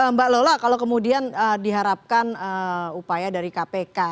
mbak lola kalau kemudian diharapkan upaya dari kpk